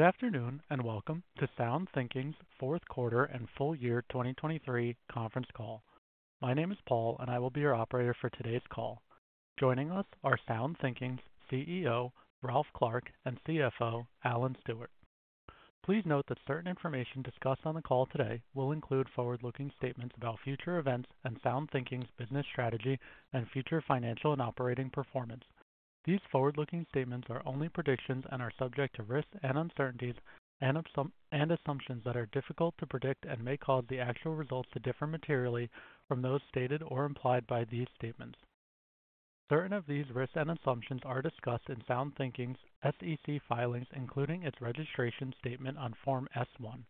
Good afternoon and welcome to SoundThinking's fourth quarter and full year 2023 conference call. My name is Paul, and I will be your operator for today's call. Joining us are SoundThinking's CEO Ralph Clark and CFO Alan Stewart. Please note that certain information discussed on the call today will include forward-looking statements about future events and SoundThinking's business strategy and future financial and operating performance. These forward-looking statements are only predictions and are subject to risks and uncertainties and assumptions that are difficult to predict and may cause the actual results to differ materially from those stated or implied by these statements. Certain of these risks and assumptions are discussed in SoundThinking's SEC filings, including its registration statement on Form S-1.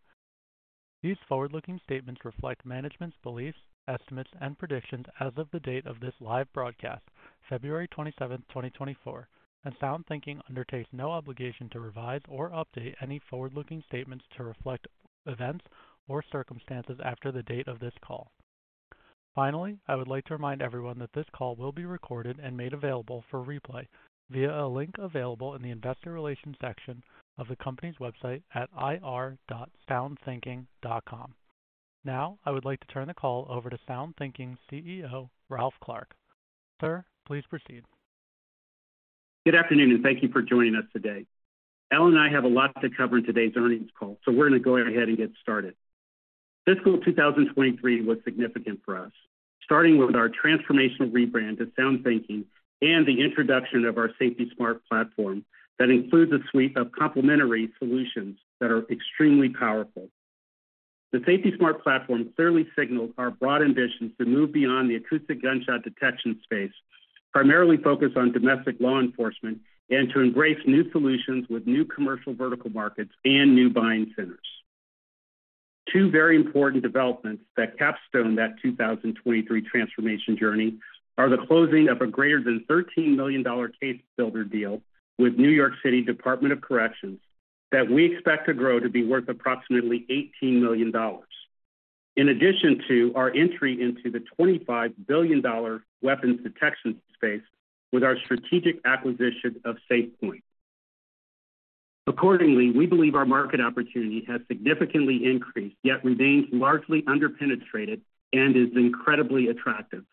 These forward-looking statements reflect management's beliefs, estimates, and predictions as of the date of this live broadcast, February 27, 2024, and SoundThinking undertakes no obligation to revise or update any forward-looking statements to reflect events or circumstances after the date of this call. Finally, I would like to remind everyone that this call will be recorded and made available for replay via a link available in the investor relations section of the company's website at ir.soundthinking.com. Now, I would like to turn the call over to SoundThinking's CEO Ralph Clark. Sir, please proceed. Good afternoon and thank you for joining us today. Alan and I have a lot to cover in today's earnings call, so we're going to go ahead and get started. Fiscal 2023 was significant for us, starting with our transformational rebrand to SoundThinking and the introduction of our SafetySmart platform that includes a suite of complementary solutions that are extremely powerful. The SafetySmart platform clearly signaled our broad ambitions to move beyond the acoustic gunshot detection space, primarily focus on domestic law enforcement, and to embrace new solutions with new commercial vertical markets and new buying centers. Two very important developments that capstone that 2023 transformation journey are the closing of a greater than $13 million CaseBuilder deal with New York City Department of Corrections that we expect to grow to be worth approximately $18 million, in addition to our entry into the $25 billion weapons detection space with our strategic acquisition of SafePointe. Accordingly, we believe our market opportunity has significantly increased yet remains largely underpenetrated and is incredibly attractive.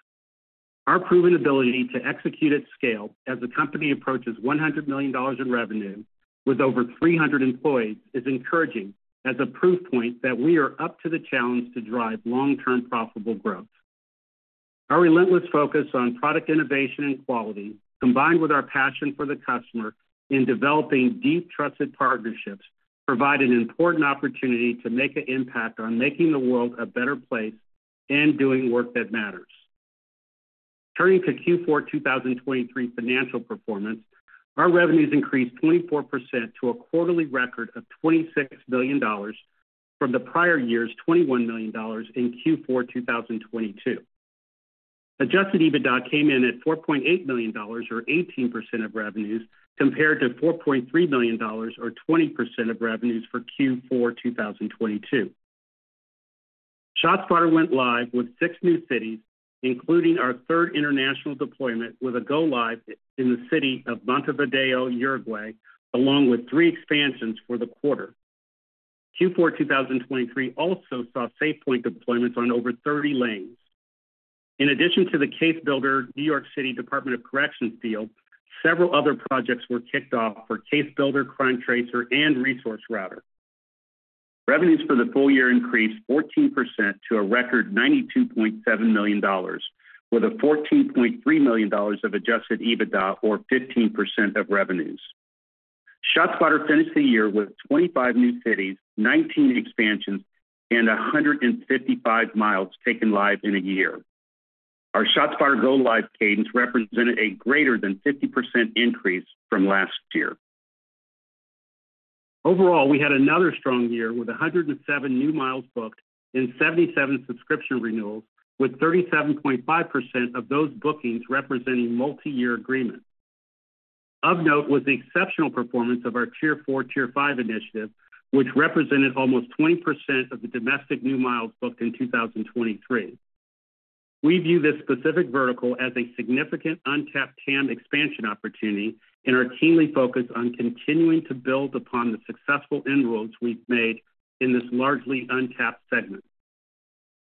Our proven ability to execute at scale as the company approaches $100 million in revenue with over 300 employees is encouraging as a proof point that we are up to the challenge to drive long-term profitable growth. Our relentless focus on product innovation and quality, combined with our passion for the customer in developing deep trusted partnerships, provide an important opportunity to make an impact on making the world a better place and doing work that matters. Turning to Q4 2023 financial performance, our revenues increased 24% to a quarterly record of $26 million from the prior year's $21 million in Q4 2022. Adjusted EBITDA came in at $4.8 million or 18% of revenues compared to $4.3 million or 20% of revenues for Q4 2022. ShotSpotter went live with six new cities, including our third international deployment with a go-live in the city of Montevideo, Uruguay, along with three expansions for the quarter. Q4 2023 also saw SafePointe deployments on over 30 lanes. In addition to the CaseBuilder New York City Department of Corrections deal, several other projects were kicked off for CaseBuilder, CrimeTracer, and ResourceRouter. Revenues for the full year increased 14% to a record $92.7 million with $14.3 million of Adjusted EBITDA or 15% of revenues. ShotSpotter finished the year with 25 new cities, 19 expansions, and 155 miles taken live in a year. Our ShotSpotter go-live cadence represented a greater than 50% increase from last year. Overall, we had another strong year with 107 new miles booked and 77 subscription renewals, with 37.5% of those bookings representing multi-year agreements. Of note was the exceptional performance of our Tier 4, Tier 5 initiative, which represented almost 20% of the domestic new miles booked in 2023. We view this specific vertical as a significant untapped TAM expansion opportunity and are keenly focused on continuing to build upon the successful inroads we've made in this largely untapped segment.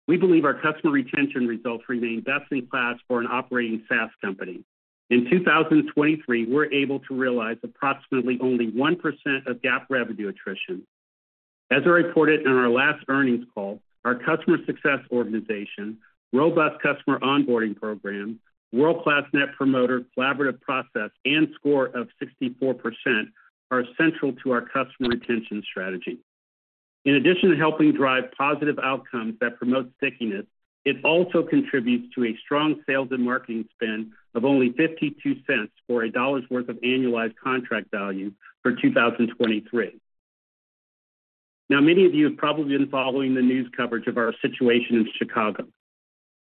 We believe our customer retention results remain best in class for an operating SaaS company. In 2023, we're able to realize approximately only 1% of GAAP revenue attrition. As I reported in our last earnings call, our customer success organization, robust customer onboarding program, world-class Net Promoter, collaborative process, and score of 64% are central to our customer retention strategy. In addition to helping drive positive outcomes that promote stickiness, it also contributes to a strong sales and marketing spend of only $0.52 for a dollar's worth of annualized contract value for 2023. Now, many of you have probably been following the news coverage of our situation in Chicago.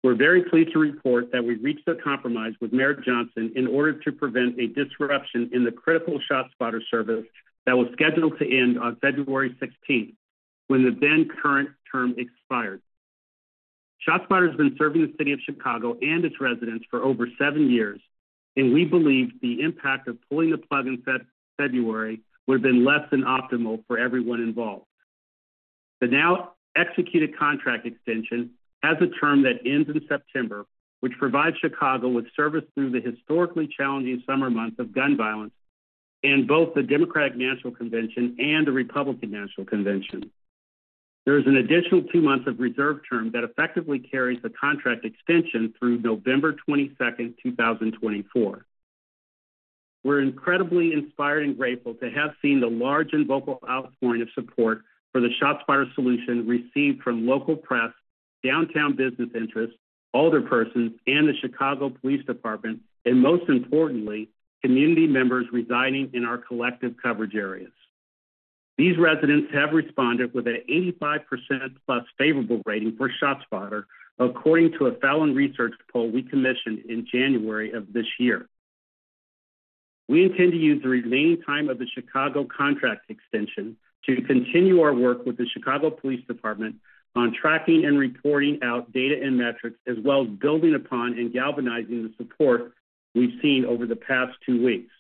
We're very pleased to report that we reached a compromise with Brandon Johnson in order to prevent a disruption in the critical ShotSpotter service that was scheduled to end on February 16th when the then current term expired. ShotSpotter has been serving the city of Chicago and its residents for over seven years, and we believe the impact of pulling the plug in February would have been less than optimal for everyone involved. The now executed contract extension has a term that ends in September, which provides Chicago with service through the historically challenging summer months of gun violence and both the Democratic National Convention and the Republican National Convention. There is an additional two months of reserve term that effectively carries the contract extension through November 22, 2024. We're incredibly inspired and grateful to have seen the large and vocal outpouring of support for the ShotSpotter solution received from local press, downtown business interests, older persons, and the Chicago Police Department, and most importantly, community members residing in our collective coverage areas. These residents have responded with an 85%+ favorable rating for ShotSpotter, according to a polling research poll we commissioned in January of this year. We intend to use the remaining time of the Chicago contract extension to continue our work with the Chicago Police Department on tracking and reporting out data and metrics, as well as building upon and galvanizing the support we've seen over the past two weeks.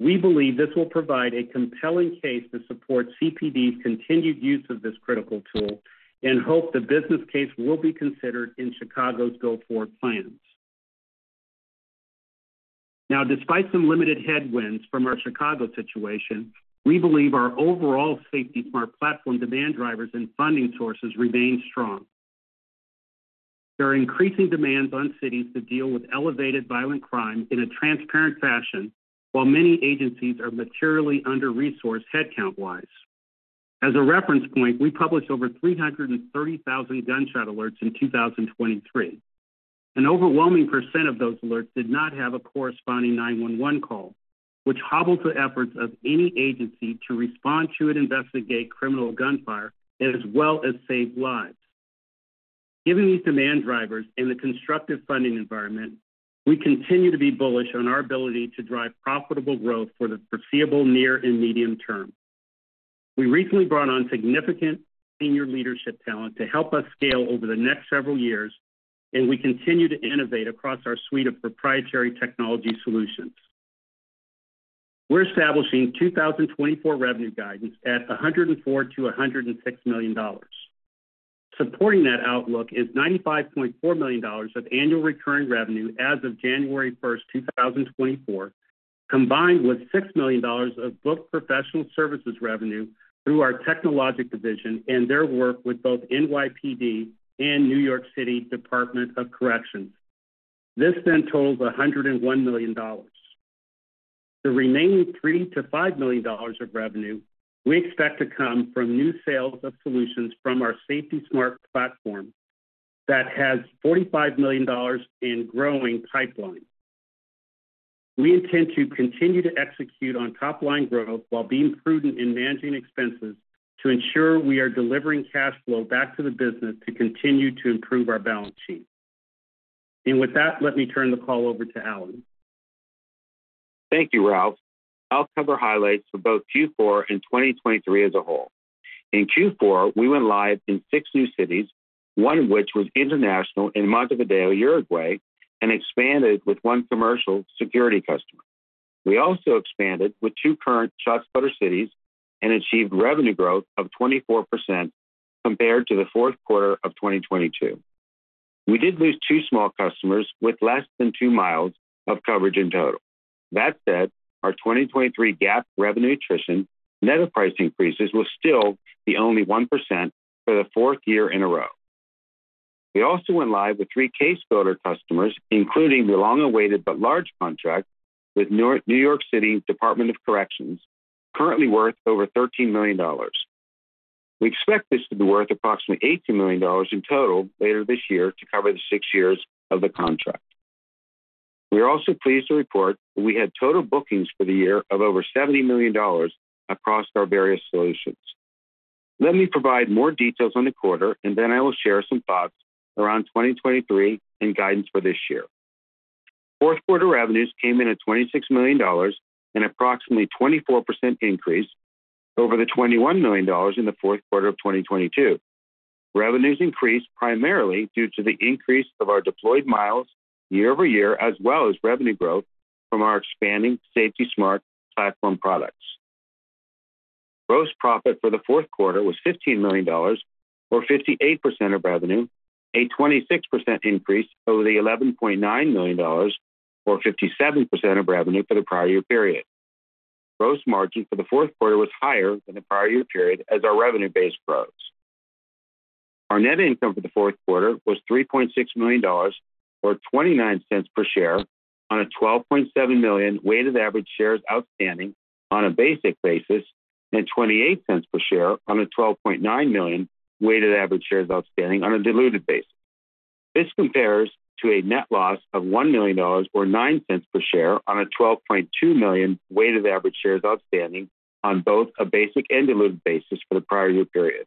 We believe this will provide a compelling case to support CPD's continued use of this critical tool and hope the business case will be considered in Chicago's go-forward plans. Now, despite some limited headwinds from our Chicago situation, we believe our overall SafetySmart platform demand drivers and funding sources remain strong. There are increasing demands on cities to deal with elevated violent crime in a transparent fashion while many agencies are materially under-resourced headcount-wise. As a reference point, we published over 330,000 gunshot alerts in 2023. An overwhelming percent of those alerts did not have a corresponding 911 call, which hobbled the efforts of any agency to respond to and investigate criminal gunfire as well as save lives. Given these demand drivers and the constructive funding environment, we continue to be bullish on our ability to drive profitable growth for the foreseeable near and medium term. We recently brought on significant senior leadership talent to help us scale over the next several years, and we continue to innovate across our suite of proprietary technology solutions. We're establishing 2024 revenue guidance at $104-$106 million. Supporting that outlook is $95.4 million of annual recurring revenue as of January 1, 2024, combined with $6 million of booked professional services revenue through our technologic division and their work with both NYPD and New York City Department of Corrections. This then totals $101 million. The remaining $3-$5 million of revenue we expect to come from new sales of solutions from our SafetySmart platform that has $45 million in growing pipeline. We intend to continue to execute on top-line growth while being prudent in managing expenses to ensure we are delivering cash flow back to the business to continue to improve our balance sheet. And with that, let me turn the call over to Alan. Thank you, Ralph. I'll cover highlights for both Q4 and 2023 as a whole. In Q4, we went live in six new cities, one of which was international in Montevideo, Uruguay, and expanded with one commercial security customer. We also expanded with two current ShotSpotter cities and achieved revenue growth of 24% compared to the fourth quarter of 2022. We did lose two small customers with less than two miles of coverage in total. That said, our 2023 GAAP revenue attrition net-to-price increases was still only 1% for the fourth year in a row. We also went live with three CaseBuilder customers, including the long-awaited but large contract with New York City Department of Corrections, currently worth over $13 million. We expect this to be worth approximately $18 million in total later this year to cover the six years of the contract. We are also pleased to report that we had total bookings for the year of over $70 million across our various solutions. Let me provide more details on the quarter, and then I will share some thoughts around 2023 and guidance for this year. Fourth quarter revenues came in at $26 million, an approximately 24% increase over the $21 million in the fourth quarter of 2022. Revenues increased primarily due to the increase of our deployed miles year-over-year, as well as revenue growth from our expanding SafetySmart platform products. Gross profit for the fourth quarter was $15 million, or 58% of revenue, a 26% increase over the $11.9 million, or 57% of revenue for the prior year period. Gross margin for the fourth quarter was higher than the prior year period as our revenue base rose. Our net income for the fourth quarter was $3.6 million, or $0.29 per share, on a 12.7 million weighted average shares outstanding on a basic basis and $0.28 per share on a 12.9 million weighted average shares outstanding on a diluted basis. This compares to a net loss of $1 million, or $0.09 per share, on a 12.2 million weighted average shares outstanding on both a basic and diluted basis for the prior year period.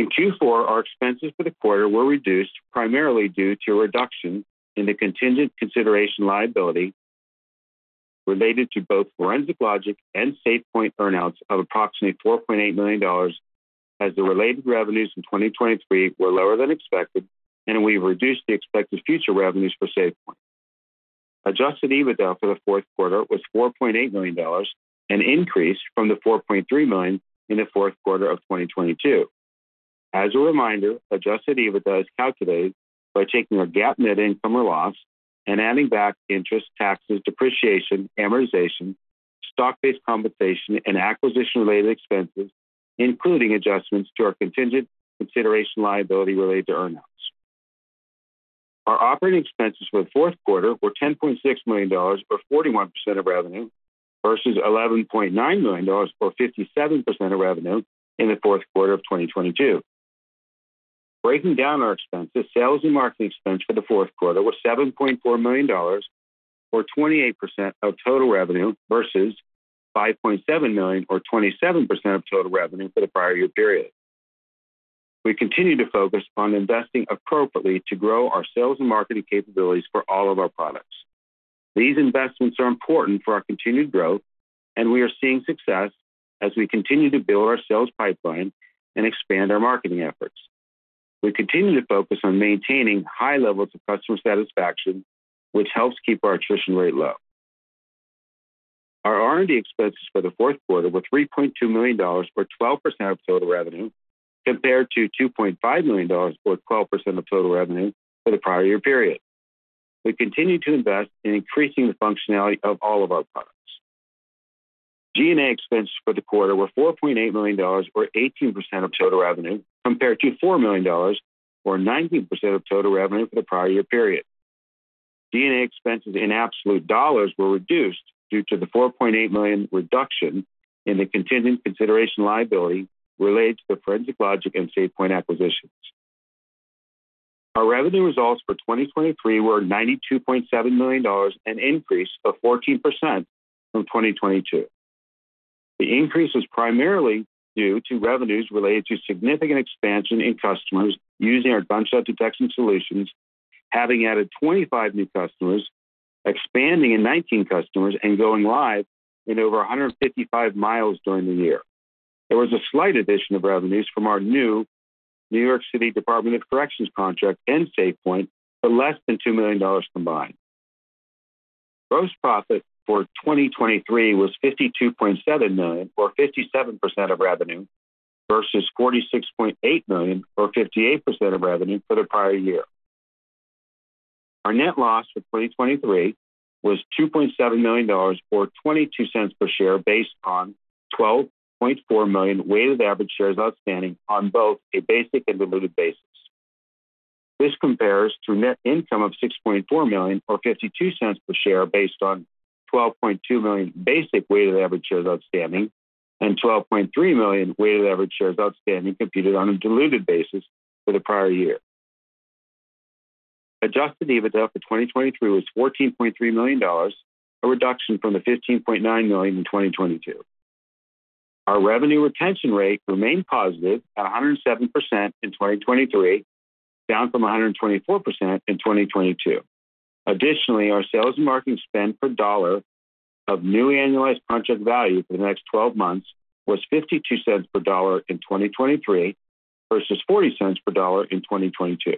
In Q4, our expenses for the quarter were reduced primarily due to a reduction in the contingent consideration liability related to both Forensic Logic and SafePointe earnouts of approximately $4.8 million, as the related revenues in 2023 were lower than expected, and we reduced the expected future revenues for SafePointe. Adjusted EBITDA for the fourth quarter was $4.8 million, an increase from the $4.3 million in the fourth quarter of 2022. As a reminder, Adjusted EBITDA is calculated by taking our GAAP net income or loss and adding back interest, taxes, depreciation, amortization, stock-based compensation, and acquisition-related expenses, including adjustments to our contingent consideration liability related to earnouts. Our operating expenses for the fourth quarter were $10.6 million, or 41% of revenue, versus $11.9 million, or 57% of revenue in the fourth quarter of 2022. Breaking down our expenses, sales and marketing expenses for the fourth quarter were $7.4 million, or 28% of total revenue, versus $5.7 million, or 27% of total revenue for the prior year period. We continue to focus on investing appropriately to grow our sales and marketing capabilities for all of our products. These investments are important for our continued growth, and we are seeing success as we continue to build our sales pipeline and expand our marketing efforts. We continue to focus on maintaining high levels of customer satisfaction, which helps keep our attrition rate low. Our R&D expenses for the fourth quarter were $3.2 million, or 12% of total revenue, compared to $2.5 million, or 12% of total revenue for the prior year period. We continue to invest in increasing the functionality of all of our products. G&A expenses for the quarter were $4.8 million, or 18% of total revenue, compared to $4 million, or 19% of total revenue for the prior year period. G&A expenses in absolute dollars were reduced due to the $4.8 million reduction in the contingent consideration liability related to the Forensic Logic and SafePointe acquisitions. Our revenue results for 2023 were $92.7 million, an increase of 14% from 2022. The increase was primarily due to revenues related to significant expansion in customers using our gunshot detection solutions, having added 25 new customers, expanding in 19 customers, and going live in over 155 miles during the year. There was a slight addition of revenues from our new New York City Department of Corrections contract and SafePointe for less than $2 million combined. Gross profit for 2023 was $52.7 million, or 57% of revenue, versus $46.8 million, or 58% of revenue for the prior year. Our net loss for 2023 was $2.7 million, or $0.22 per share, based on 12.4 million weighted average shares outstanding on both a basic and diluted basis. This compares to net income of $6.4 million, or $0.52 per share, based on 12.2 million basic weighted average shares outstanding and 12.3 million weighted average shares outstanding computed on a diluted basis for the prior year. Adjusted EBITDA for 2023 was $14.3 million, a reduction from the $15.9 million in 2022. Our revenue retention rate remained positive at 107% in 2023, down from 124% in 2022. Additionally, our sales and marketing spend per dollar of new annualized contract value for the next 12 months was $0.52 per dollar in 2023 versus $0.40 per dollar in 2022.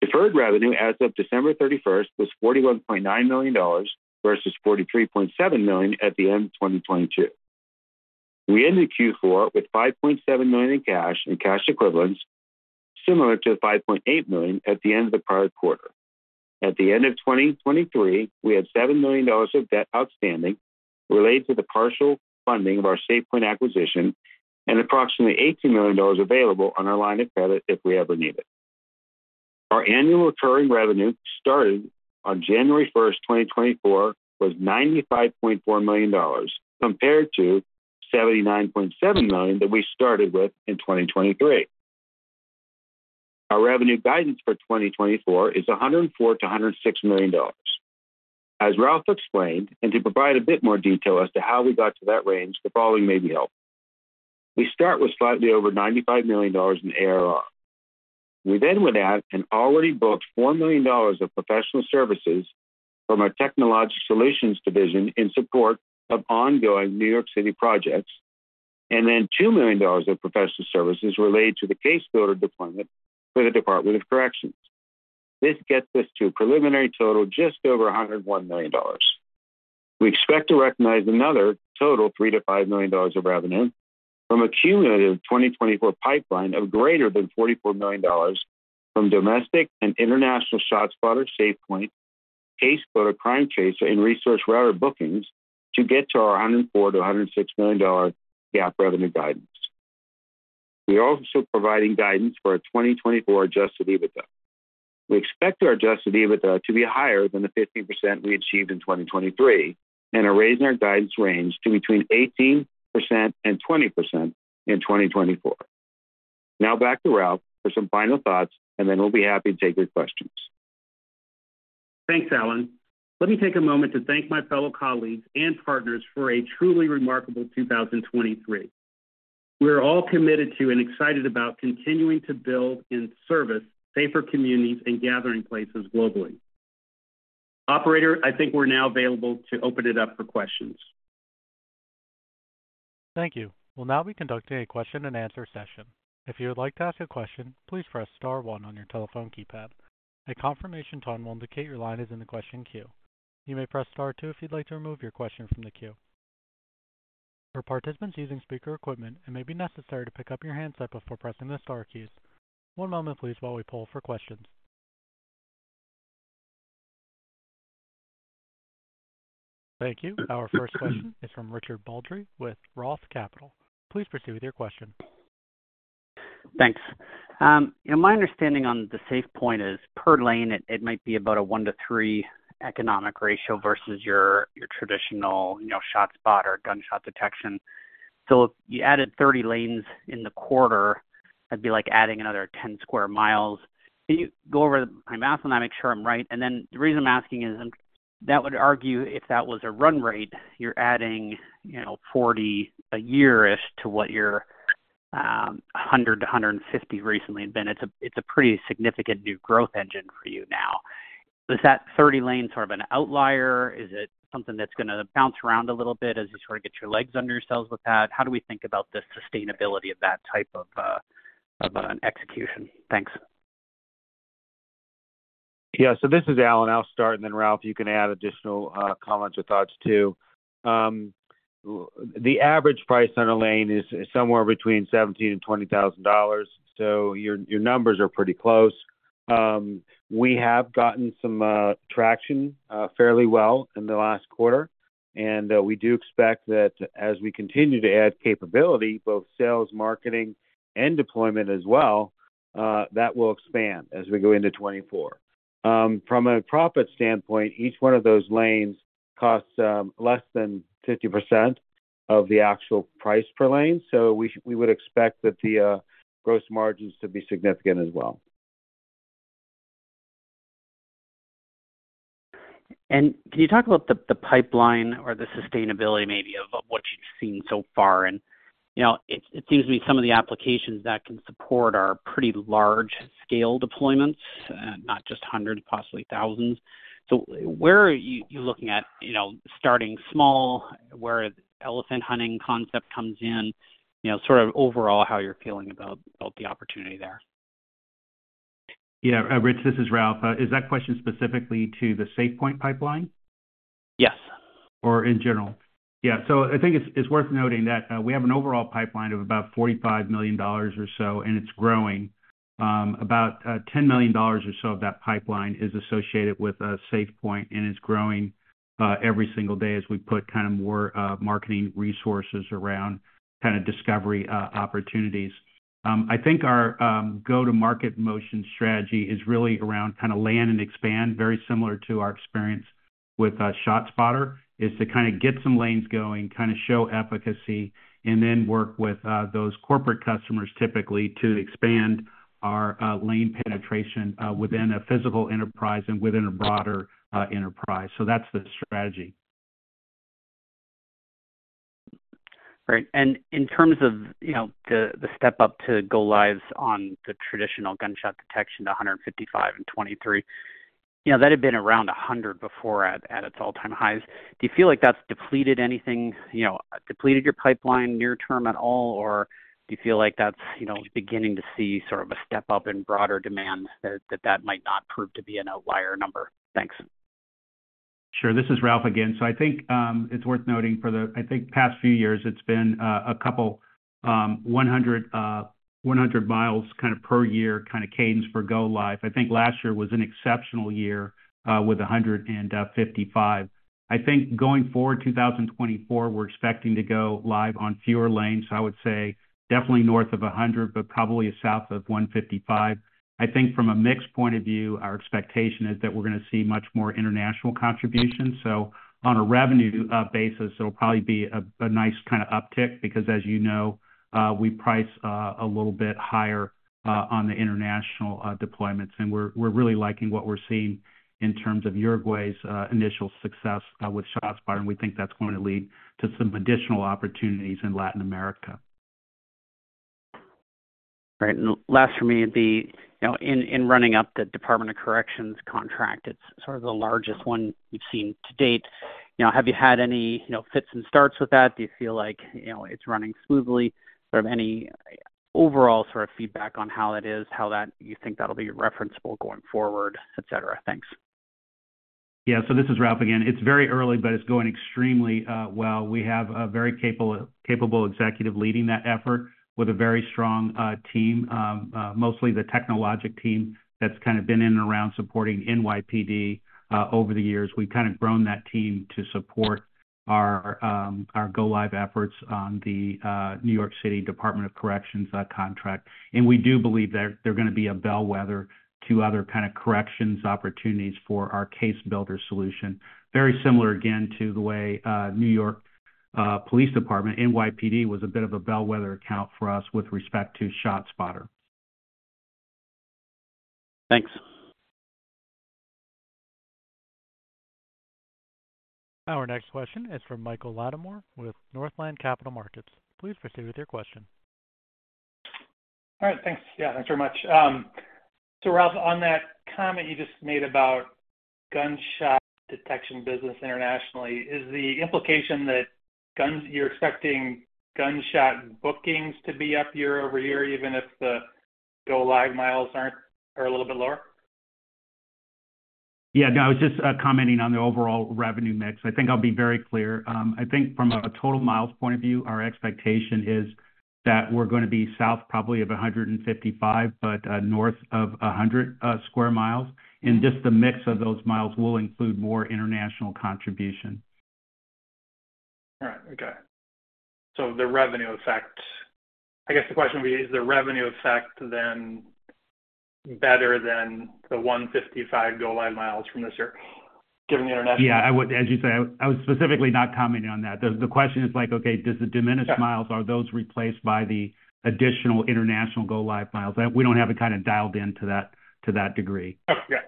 Deferred revenue as of December 31st was $41.9 million versus $43.7 million at the end of 2022. We ended Q4 with $5.7 million in cash and cash equivalents, similar to the $5.8 million at the end of the prior quarter. At the end of 2023, we had $7 million of debt outstanding related to the partial funding of our SafePointe acquisition and approximately $18 million available on our line of credit if we ever need it. Our annual recurring revenue started on January 1st, 2024, was $95.4 million compared to $79.7 million that we started with in 2023. Our revenue guidance for 2024 is $104-$106 million. As Ralph explained, and to provide a bit more detail as to how we got to that range, the following may be helpful. We start with slightly over $95 million in ARR. We then add and already booked $4 million of professional services from our technology solutions division in support of ongoing New York City projects, and then $2 million of professional services related to the CaseBuilder deployment for the Department of Corrections. This gets us to a preliminary total just over $101 million. We expect to recognize another total $3-$5 million of revenue from a cumulative 2024 pipeline of greater than $44 million from domestic and international ShotSpotter, SafePointe, CaseBuilder, CrimeTracer, and ResourceRouter bookings to get to our $104-$106 million GAAP revenue guidance. We are also providing guidance for our 2024 adjusted EBITDA. We expect our adjusted EBITDA to be higher than the 15% we achieved in 2023 and are raising our guidance range to between 18% and 20% in 2024. Now back to Ralph for some final thoughts, and then we'll be happy to take your questions. Thanks, Alan. Let me take a moment to thank my fellow colleagues and partners for a truly remarkable 2023. We are all committed to and excited about continuing to build and service safer communities and gathering places globally. Operator, I think we're now available to open it up for questions. Thank you. We'll now be conducting a question-and-answer session. If you would like to ask a question, please press star 1 on your telephone keypad. A confirmation tone will indicate your line is in the question queue. You may press star 2 if you'd like to remove your question from the queue. For participants using speaker equipment, it may be necessary to pick up your handset before pressing the star keys. One moment, please, while we pull for questions. Thank you. Our first question is from Richard Baldry with Roth Capital. Please proceed with your question. Thanks. My understanding on the SafePointe is, per lane, it might be about a 1-3 economic ratio versus your traditional ShotSpotter or gunshot detection. So if you added 30 lanes in the quarter, that'd be like adding another 10 sq mi. Can you go over my math and I make sure I'm right? And then the reason I'm asking is, that would argue if that was a run rate, you're adding 40 a year-ish to what your 100-150 recently had been. It's a pretty significant new growth engine for you now. Is that 30 lanes sort of an outlier? Is it something that's going to bounce around a little bit as you sort of get your legs under yourselves with that? How do we think about the sustainability of that type of an execution? Thanks. Yeah. So this is Alan. I'll start, and then Ralph, you can add additional comments or thoughts too. The average price on a lane is somewhere between $17,000-$20,000, so your numbers are pretty close. We have gotten some traction fairly well in the last quarter, and we do expect that as we continue to add capability, both sales, marketing, and deployment as well, that will expand as we go into 2024. From a profit standpoint, each one of those lanes costs less than 50% of the actual price per lane, so we would expect that the gross margins to be significant as well. Can you talk about the pipeline or the sustainability, maybe, of what you've seen so far? It seems to me some of the applications that can support are pretty large-scale deployments, not just hundreds, possibly thousands. Where are you looking at starting small, where elephant hunting concept comes in, sort of overall how you're feeling about the opportunity there? Yeah. Rich, this is Ralph. Is that question specifically to the SafePointe pipeline? Yes. Or in general? Yeah. So I think it's worth noting that we have an overall pipeline of about $45 million or so, and it's growing. About $10 million or so of that pipeline is associated with SafePointe, and it's growing every single day as we put kind of more marketing resources around kind of discovery opportunities. I think our go-to-market motion strategy is really around kind of land and expand, very similar to our experience with ShotSpotter, is to kind of get some lanes going, kind of show efficacy, and then work with those corporate customers, typically, to expand our lane penetration within a physical enterprise and within a broader enterprise. So that's the strategy. Great. In terms of the step up to go lives on the traditional gunshot detection to 155 in 2023, that had been around 100 before at its all-time highs. Do you feel like that's depleted anything, depleted your pipeline near-term at all, or do you feel like that's beginning to see sort of a step up in broader demand, that that might not prove to be an outlier number? Thanks. Sure. This is Ralph again. So I think it's worth noting for the, I think, past few years, it's been 200 miles kind of per year kind of cadence for go live. I think last year was an exceptional year with 155. I think going forward, 2024, we're expecting to go live on fewer lanes. So I would say definitely north of 100, but probably south of 155. I think from a mixed point of view, our expectation is that we're going to see much more international contributions. So on a revenue basis, it'll probably be a nice kind of uptick because, as you know, we price a little bit higher on the international deployments. And we're really liking what we're seeing in terms of Uruguay's initial success with ShotSpotter, and we think that's going to lead to some additional opportunities in Latin America. Great. Last for me would be, in running up the Department of Corrections contract, it's sort of the largest one we've seen to date. Have you had any fits and starts with that? Do you feel like it's running smoothly? Sort of any overall sort of feedback on how that is, how you think that'll be referenceable going forward, etc.? Thanks. Yeah. So this is Ralph again. It's very early, but it's going extremely well. We have a very capable executive leading that effort with a very strong team, mostly the technological team that's kind of been in and around supporting NYPD over the years. We've kind of grown that team to support our go live efforts on the New York City Department of Corrections contract. And we do believe that they're going to be a bellwether to other kind of corrections opportunities for our CaseBuilder solution, very similar, again, to the way New York Police Department, NYPD, was a bit of a bellwether account for us with respect to ShotSpotter. Thanks. Our next question is from Michael Latimore with Northland Capital Markets. Please proceed with your question. All right. Thanks. Yeah. Thanks very much. So, Ralph, on that comment you just made about gunshot detection business internationally, is the implication that you're expecting gunshot bookings to be up year-over-year, even if the go live miles are a little bit lower? Yeah. No, I was just commenting on the overall revenue mix. I think I'll be very clear. I think from a total miles point of view, our expectation is that we're going to be south probably of 155, but north of 100 sq mi. Just the mix of those miles will include more international contribution. All right. Okay. So the revenue effect, I guess the question would be, is the revenue effect then better than the 155 go live miles from this year, given the international? Yeah. As you say, I was specifically not commenting on that. The question is like, okay, does it diminish miles? Are those replaced by the additional international go live miles? We don't have it kind of dialed in to that degree. Oh, yeah.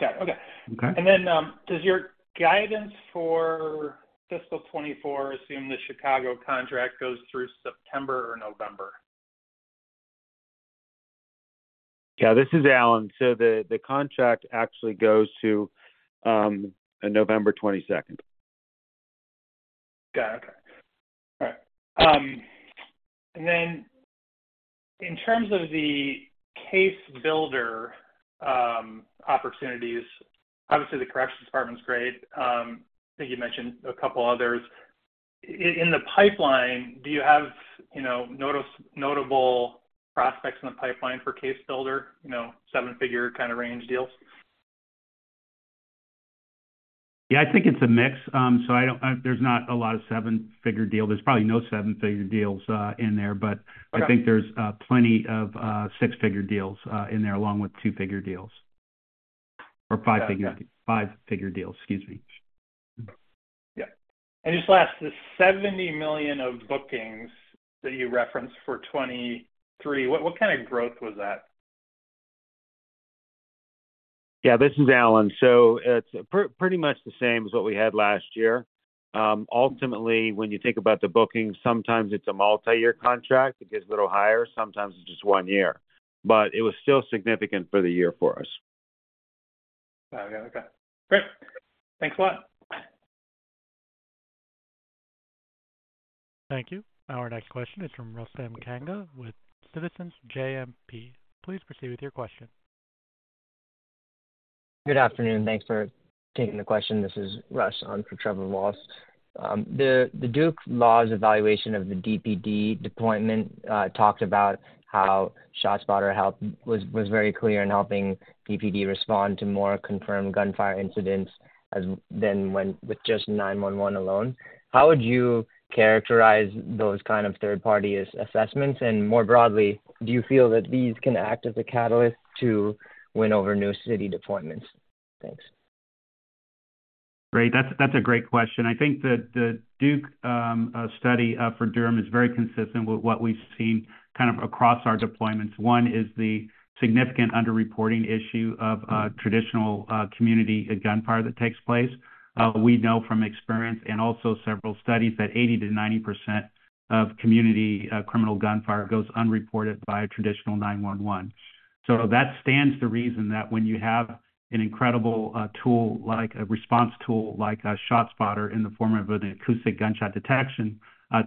Yeah. Okay. And then does your guidance for fiscal 2024 assume the Chicago contract goes through September or November? Yeah. This is Alan. The contract actually goes to November 22nd. Got it. Okay. All right. And then in terms of the CaseBuilder opportunities, obviously, the corrections department's great. I think you mentioned a couple others. In the pipeline, do you have notable prospects in the pipeline for CaseBuilder, seven-figure kind of range deals? Yeah. I think it's a mix. So there's not a lot of seven-figure deals. There's probably no seven-figure deals in there, but I think there's plenty of six-figure deals in there, along with two-figure deals or five-figure deals. Five-figure deals. Excuse me. Yeah. And just last, the $70 million of bookings that you referenced for 2023, what kind of growth was that? Yeah. This is Alan. So it's pretty much the same as what we had last year. Ultimately, when you think about the bookings, sometimes it's a multi-year contract. It gets a little higher. Sometimes it's just one year. But it was still significant for the year for us. Oh, yeah. Okay. Great. Thanks a lot. Thank you. Our next question is from Russ Kanga with Citizens JMP. Please proceed with your question. Good afternoon. Thanks for taking the question. This is Russ on for Trevor Walsh. The Duke Law's evaluation of the DPD deployment talked about how ShotSpotter was very clear in helping DPD respond to more confirmed gunfire incidents than with just 911 alone. How would you characterize those kind of third-party assessments? And more broadly, do you feel that these can act as a catalyst to win over new city deployments? Thanks. Great. That's a great question. I think the Duke study for Durham is very consistent with what we've seen kind of across our deployments. One is the significant underreporting issue of traditional community gunfire that takes place. We know from experience and also several studies that 80%-90% of community criminal gunfire goes unreported via traditional 911. So that stands to reason that when you have an incredible tool like a response tool like ShotSpotter in the form of an acoustic gunshot detection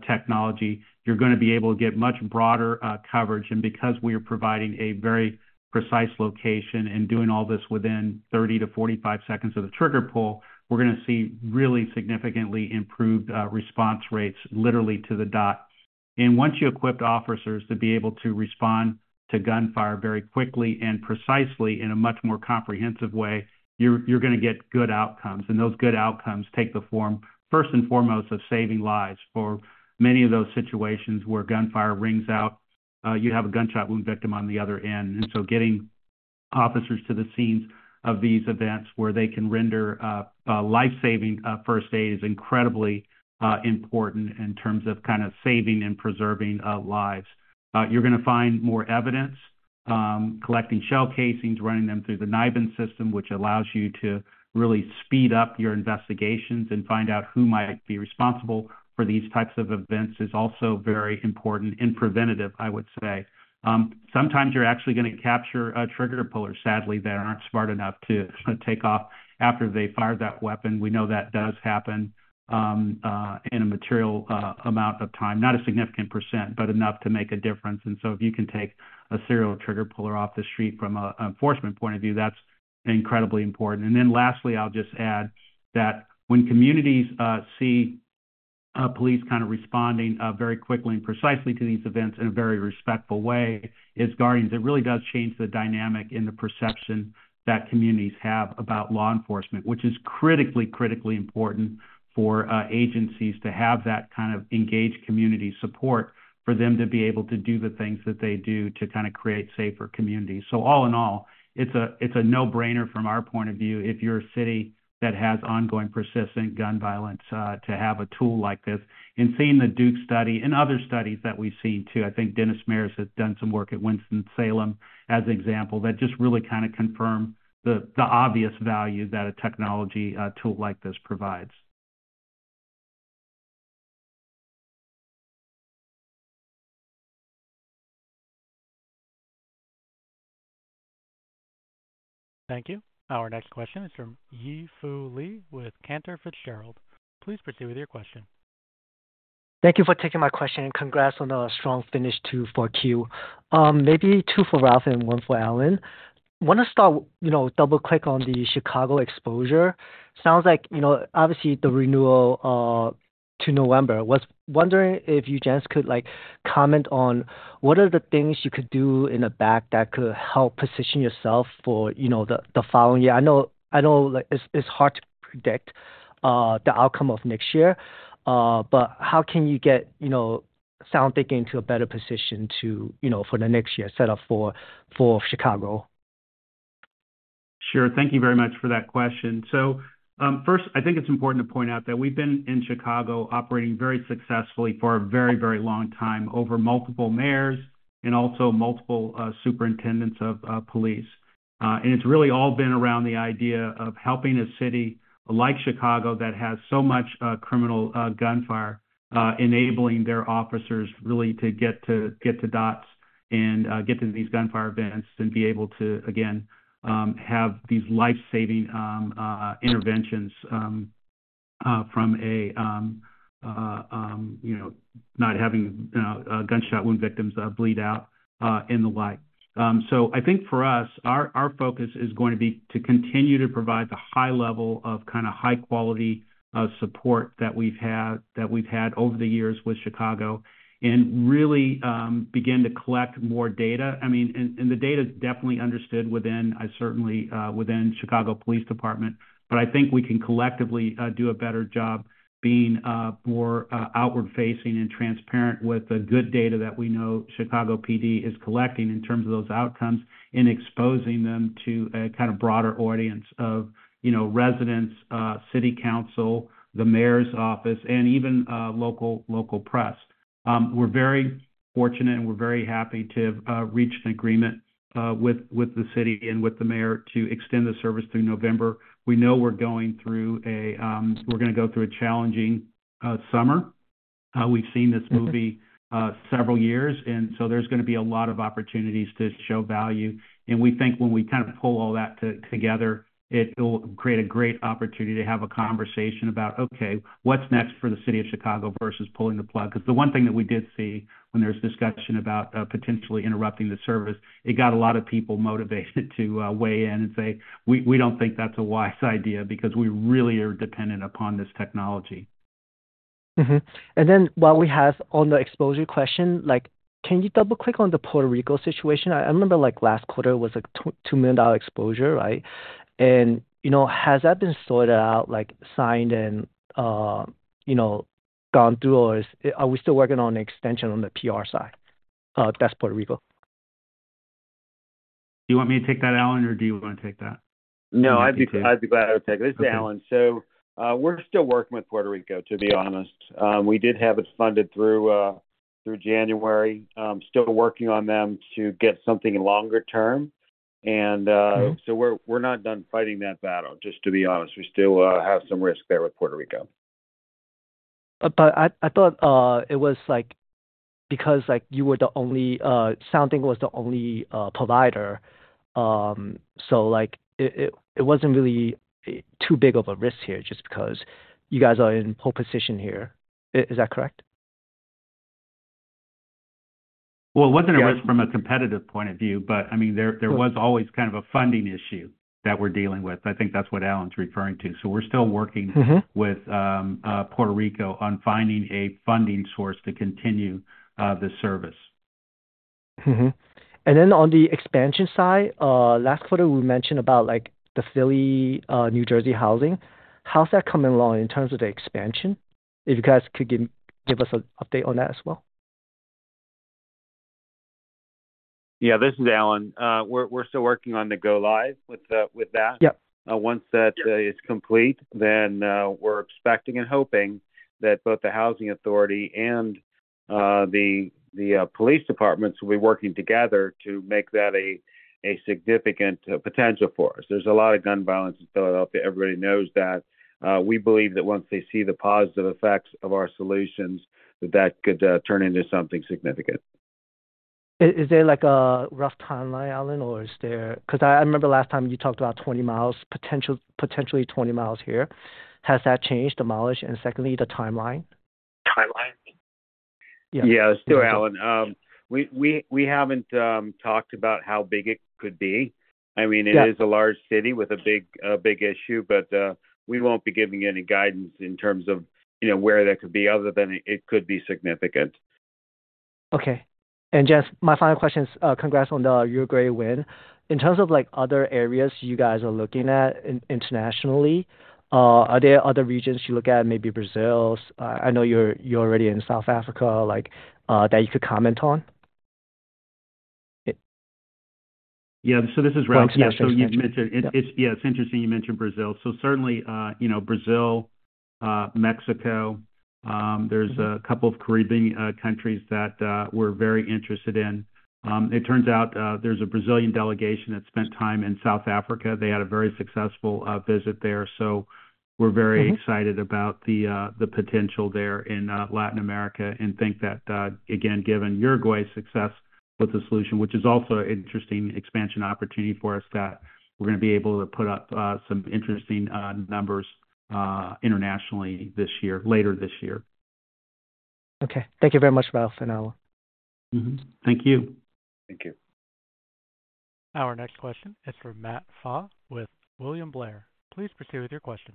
technology, you're going to be able to get much broader coverage. And because we are providing a very precise location and doing all this within 30-45 seconds of the trigger pull, we're going to see really significantly improved response rates, literally to the dot. Once you equip officers to be able to respond to gunfire very quickly and precisely in a much more comprehensive way, you're going to get good outcomes. Those good outcomes take the form, first and foremost, of saving lives for many of those situations where gunfire rings out, you have a gunshot wound victim on the other end. So getting officers to the scenes of these events where they can render lifesaving first aid is incredibly important in terms of kind of saving and preserving lives. You're going to find more evidence. Collecting shell casings, running them through the NIBIN system, which allows you to really speed up your investigations and find out who might be responsible for these types of events, is also very important and preventative, I would say. Sometimes you're actually going to capture trigger pullers, sadly, that aren't smart enough to take off after they fire that weapon. We know that does happen in a material amount of time, not a significant %, but enough to make a difference. And so if you can take a serial trigger puller off the street from an enforcement point of view, that's incredibly important. And then lastly, I'll just add that when communities see police kind of responding very quickly and precisely to these events in a very respectful way, it really does change the dynamic in the perception that communities have about law enforcement, which is critically, critically important for agencies to have that kind of engaged community support for them to be able to do the things that they do to kind of create safer communities. So all in all, it's a no-brainer from our point of view if you're a city that has ongoing, persistent gun violence to have a tool like this. And seeing the Duke study and other studies that we've seen too, I think Dennis Mare has done some work at Winston-Salem as an example that just really kind of confirm the obvious value that a technology tool like this provides. Thank you. Our next question is from Yi Fu Lee with Cantor Fitzgerald. Please proceed with your question. Thank you for taking my question, and congrats on a strong finish too for Q. Maybe two for Ralph and one for Alan. Want to start with double-click on the Chicago exposure. Sounds like, obviously, the renewal to November. Wondering if you guys could comment on what are the things you could do in the back that could help position yourself for the following year. I know it's hard to predict the outcome of next year, but how can you get SoundThinking into a better position for the next year set up for Chicago? Sure. Thank you very much for that question. So first, I think it's important to point out that we've been in Chicago operating very successfully for a very, very long time over multiple mayors and also multiple superintendents of police. And it's really all been around the idea of helping a city like Chicago that has so much criminal gunfire enabling their officers really to get to dots and get to these gunfire events and be able to, again, have these lifesaving interventions from not having gunshot wound victims bleed out and the like. So I think for us, our focus is going to be to continue to provide the high level of kind of high-quality support that we've had over the years with Chicago and really begin to collect more data. I mean, and the data is definitely understood within, I certainly, within Chicago Police Department. But I think we can collectively do a better job being more outward-facing and transparent with the good data that we know Chicago PD is collecting in terms of those outcomes and exposing them to a kind of broader audience of residents, city council, the mayor's office, and even local press. We're very fortunate, and we're very happy to have reached an agreement with the city and with the mayor to extend the service through November. We know we're going to go through a challenging summer. We've seen this movie several years, and so there's going to be a lot of opportunities to show value. And we think when we kind of pull all that together, it'll create a great opportunity to have a conversation about, okay, what's next for the city of Chicago versus pulling the plug? Because the one thing that we did see when there was discussion about potentially interrupting the service, it got a lot of people motivated to weigh in and say, "We don't think that's a wise idea because we really are dependent upon this technology. Then while we have on the exposure question, can you double-click on the Puerto Rico situation? I remember last quarter was a $2 million exposure, right? And has that been sorted out, signed, and gone through, or are we still working on an extension on the PR side? That's Puerto Rico. Do you want me to take that, Alan, or do you want to take that? No, I'd be glad to take it. This is Alan. So we're still working with Puerto Rico, to be honest. We did have it funded through January. Still working on them to get something longer term. And so we're not done fighting that battle, just to be honest. We still have some risk there with Puerto Rico. I thought it was because you were the only SoundThinking was the only provider. It wasn't really too big of a risk here just because you guys are in pole position here. Is that correct? Well, it wasn't a risk from a competitive point of view, but I mean, there was always kind of a funding issue that we're dealing with. I think that's what Alan's referring to. So we're still working with Puerto Rico on finding a funding source to continue the service. And then on the expansion side, last quarter, we mentioned about the Philly, New Jersey housing. How's that coming along in terms of the expansion? If you guys could give us an update on that as well. Yeah. This is Alan. We're still working on the go live with that. Once that is complete, then we're expecting and hoping that both the Housing Authority and the police departments will be working together to make that a significant potential for us. There's a lot of gun violence in Philadelphia. Everybody knows that. We believe that once they see the positive effects of our solutions, that that could turn into something significant. Is there a rough timeline, Alan, or is there because I remember last time you talked about potentially 20 mi here? Has that changed, the mileage, and secondly, the timeline? Timeline? Yeah. Yeah. It's still Alan. We haven't talked about how big it could be. I mean, it is a large city with a big issue, but we won't be giving any guidance in terms of where that could be other than it could be significant. Okay. Gents, my final question is congrats on your great win. In terms of other areas you guys are looking at internationally, are there other regions you look at, maybe Brazil? I know you're already in South Africa, that you could comment on? Yeah. So this is Ralph's question. So you've mentioned, yeah, it's interesting, you mentioned Brazil. So certainly, Brazil, Mexico. There's a couple of Caribbean countries that we're very interested in. It turns out there's a Brazilian delegation that spent time in South Africa. They had a very successful visit there. So we're very excited about the potential there in Latin America and think that, again, given Uruguay's success with the solution, which is also an interesting expansion opportunity for us, that we're going to be able to put up some interesting numbers internationally later this year. Okay. Thank you very much, Ralph and Alan. Thank you. Thank you. Our next question is for Matt Pfau with William Blair. Please proceed with your question.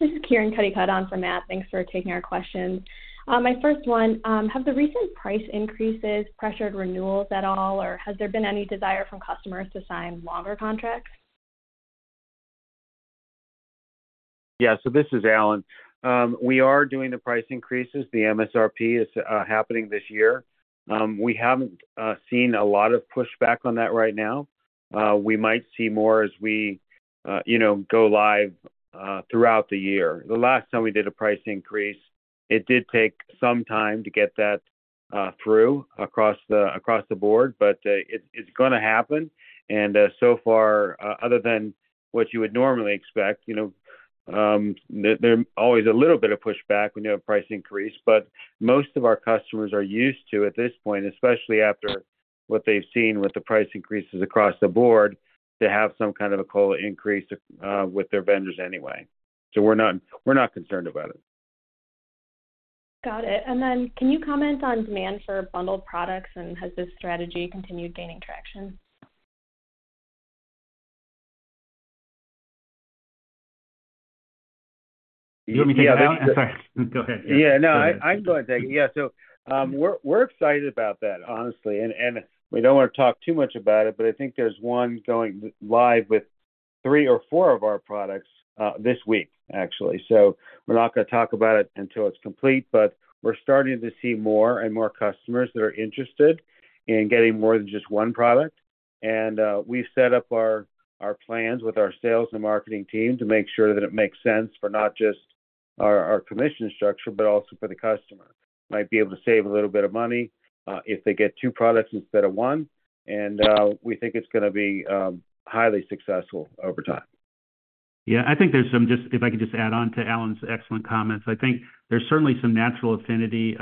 This is Karen Cuddy-Cuddon for Matt. Thanks for taking our questions. My first one, have the recent price increases pressured renewals at all, or has there been any desire from customers to sign longer contracts? Yeah. So this is Alan. We are doing the price increases. The MSRP is happening this year. We haven't seen a lot of pushback on that right now. We might see more as we go live throughout the year. The last time we did a price increase, it did take some time to get that through across the board, but it's going to happen. And so far, other than what you would normally expect, there's always a little bit of pushback when you have a price increase. But most of our customers are used to, at this point, especially after what they've seen with the price increases across the board, to have some kind of a COLA increase with their vendors anyway. So we're not concerned about it. Got it. And then can you comment on demand for bundled products, and has this strategy continued gaining traction? You want me to take that? I'm sorry. Go ahead. Yeah. No, I'm going to take it. Yeah. So we're excited about that, honestly. And we don't want to talk too much about it, but I think there's one going live with three or four of our products this week, actually. So we're not going to talk about it until it's complete, but we're starting to see more and more customers that are interested in getting more than just one product. And we've set up our plans with our sales and marketing team to make sure that it makes sense for not just our commission structure, but also for the customer. Might be able to save a little bit of money if they get two products instead of one. And we think it's going to be highly successful over time. Yeah. I think there's some just if I could just add on to Alan's excellent comments, I think there's certainly some natural affinity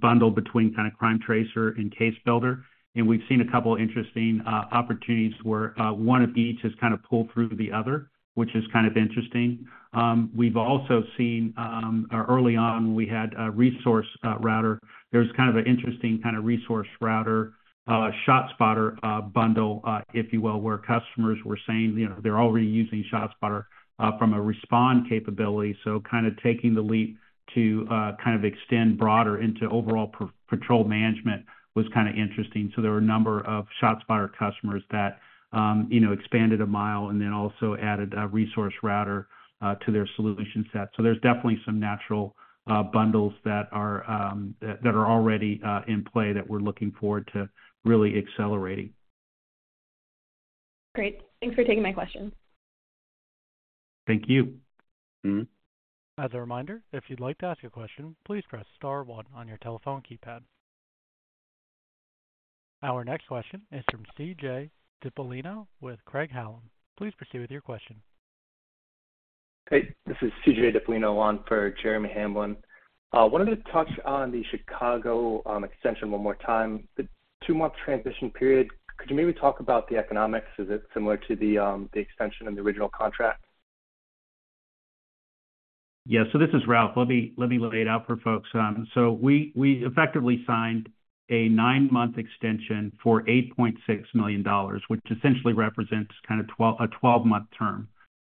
bundle between kind of CrimeTracer and CaseBuilder. And we've seen a couple of interesting opportunities where one of each has kind of pulled through the other, which is kind of interesting. We've also seen early on when we had ResourceRouter, there was kind of an interesting kind of ResourceRouter ShotSpotter bundle, if you will, where customers were saying they're already using ShotSpotter from a respond capability. So kind of taking the leap to kind of extend broader into overall patrol management was kind of interesting. So there were a number of ShotSpotter customers that expanded a mile and then also added a ResourceRouter to their solution set. There's definitely some natural bundles that are already in play that we're looking forward to really accelerating. Great. Thanks for taking my question. Thank you. As a reminder, if you'd like to ask a question, please press star 1 on your telephone keypad. Our next question is from CJ Dipolino with Craig-Hallum. Please proceed with your question. Hey. This is CJ Dipolino on for Jeremy Hamblin. Wanted to touch on the Chicago extension one more time. The two-month transition period, could you maybe talk about the economics? Is it similar to the extension and the original contract? Yeah. So this is Ralph. Let me lay it out for folks. So we effectively signed a nine-month extension for $8.6 million, which essentially represents kind of a 12-month term.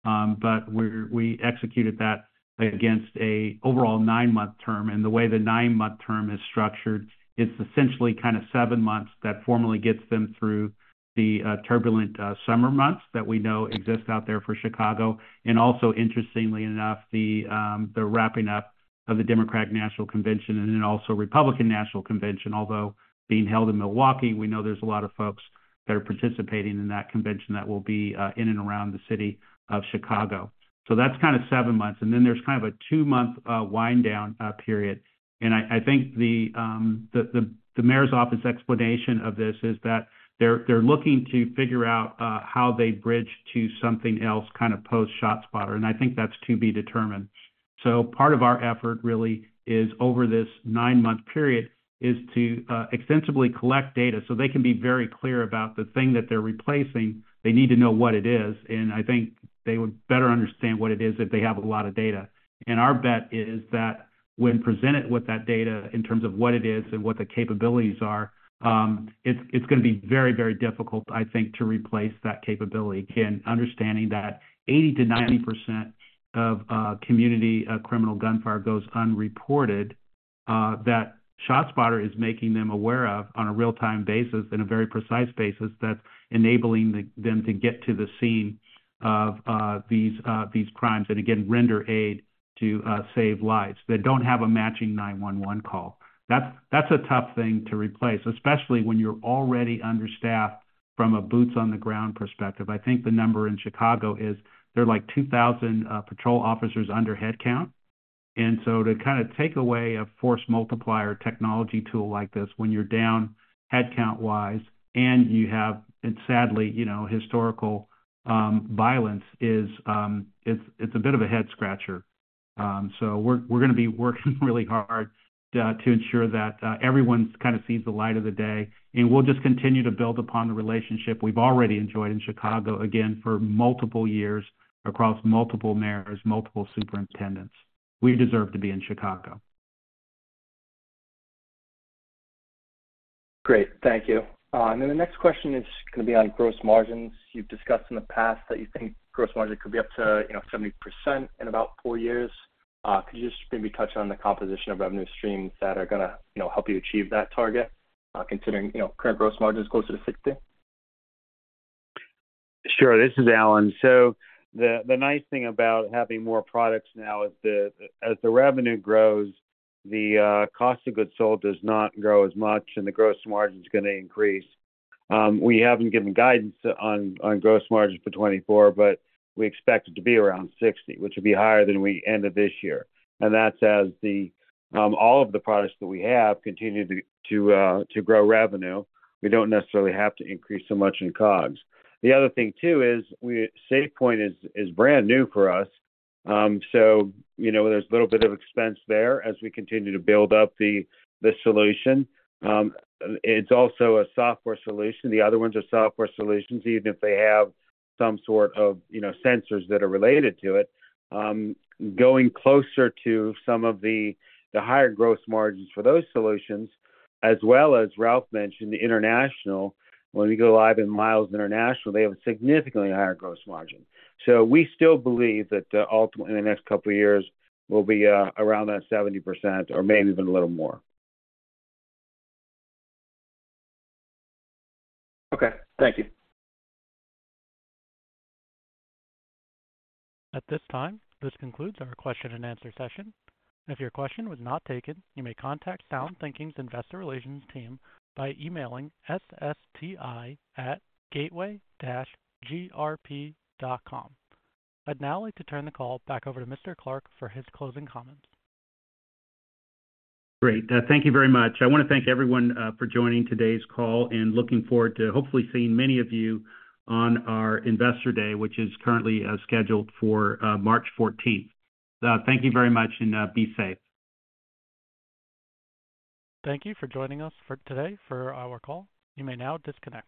But we executed that against an overall nine-month term. And the way the nine-month term is structured, it's essentially kind of seven months that formally gets them through the turbulent summer months that we know exist out there for Chicago. And also, interestingly enough, the wrapping up of the Democratic National Convention and then also Republican National Convention, although being held in Milwaukee, we know there's a lot of folks that are participating in that convention that will be in and around the city of Chicago. So that's kind of seven months. And then there's kind of a two-month wind-down period. I think the mayor's office explanation of this is that they're looking to figure out how they bridge to something else kind of post-ShotSpotter. And I think that's to be determined. So part of our effort really is over this 9-month period is to extensively collect data so they can be very clear about the thing that they're replacing. They need to know what it is. And I think they would better understand what it is if they have a lot of data. And our bet is that when presented with that data in terms of what it is and what the capabilities are, it's going to be very, very difficult, I think, to replace that capability. Understanding that 80%-90% of community criminal gunfire goes unreported, that ShotSpotter is making them aware of on a real-time basis and a very precise basis, that's enabling them to get to the scene of these crimes and, again, render aid to save lives that don't have a matching 911 call. That's a tough thing to replace, especially when you're already understaffed from a boots-on-the-ground perspective. I think the number in Chicago is there are like 2,000 patrol officers under headcount. So to kind of take away a force multiplier technology tool like this when you're down headcount-wise and you have, sadly, historical violence, it's a bit of a head-scratcher. So we're going to be working really hard to ensure that everyone kind of sees the light of the day. We'll just continue to build upon the relationship we've already enjoyed in Chicago, again, for multiple years across multiple mayors, multiple superintendents. We deserve to be in Chicago. Great. Thank you. And then the next question is going to be on gross margins. You've discussed in the past that you think gross margin could be up to 70% in about four years. Could you just maybe touch on the composition of revenue streams that are going to help you achieve that target, considering current gross margin is closer to 60%? Sure. This is Alan. So the nice thing about having more products now is as the revenue grows, the cost of goods sold does not grow as much, and the gross margin is going to increase. We haven't given guidance on gross margins for 2024, but we expect it to be around 60%, which would be higher than we end of this year. And that's as all of the products that we have continue to grow revenue. We don't necessarily have to increase so much in COGS. The other thing, too, is SafePointe is brand new for us. So there's a little bit of expense there as we continue to build up the solution. It's also a software solution. The other ones are software solutions, even if they have some sort of sensors that are related to it. Going closer to some of the higher gross margins for those solutions, as well as, as Ralph mentioned, the international, when we go live in Miles International, they have a significantly higher gross margin. So we still believe that ultimately, in the next couple of years, we'll be around that 70% or maybe even a little more. Okay. Thank you. At this time, this concludes our question-and-answer session. If your question was not taken, you may contact SoundThinking's investor relations team by emailing SSTI@gateway-grp.com. I'd now like to turn the call back over to Mr. Clark for his closing comments. Great. Thank you very much. I want to thank everyone for joining today's call and looking forward to hopefully seeing many of you on our investor day, which is currently scheduled for March 14th. Thank you very much, and be safe. Thank you for joining us today for our call. You may now disconnect.